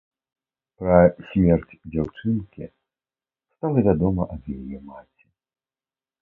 Пра смерць дзяўчынкі стала вядома ад яе маці.